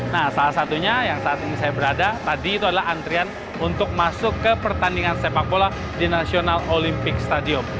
nah salah satunya yang saat ini saya berada tadi itu adalah antrian untuk masuk ke pertandingan sepak bola di national olympic stadium